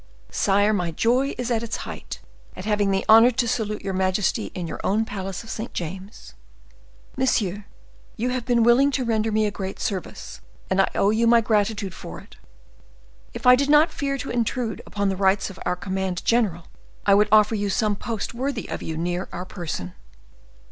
"Sire, my joy is at its height, at having the honor to salute your majesty in your own palace of St. James's." "Monsieur, you have been willing to render me a great service, and I owe you my gratitude for it. If I did not fear to intrude upon the rights of our command general, I would offer you some post worthy of you near our person."